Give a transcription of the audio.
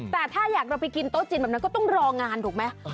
แต่ถ้าอยากเราไปกินโต๊ะจีนแบบนั้นก็ต้องรองานถูกไหม